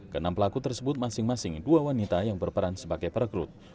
kenam pelaku tersebut masing masing dua wanita yang berperan sebagai perekrut